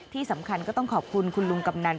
ที่สำคัญก็ต้องขอบคุณคุณลุงกำนัน